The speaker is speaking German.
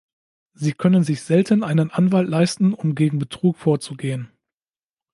Sie können sich selten einen Anwalt leisten, um gegen Betrug vorzugehen.